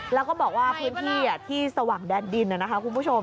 แล้วก็บอกว่าพื้นที่ที่สว่างแดนดินนะคะคุณผู้ชม